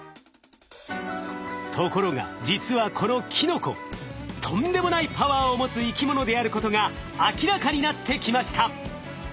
ところが実はこのキノコとんでもないパワーを持つ生き物であることが明らかになってきました。